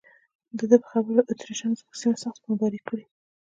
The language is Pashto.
د ده په خبره اتریشیانو زموږ سیمه سخته بمباري کړې.